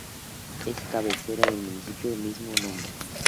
Es cabecera del municipio del mismo nombre.